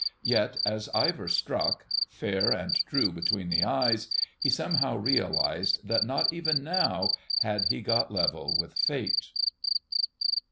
Yet, as Ivor struck, fair and true between the eyes, he somehow realised that not even now had he got level with Fate.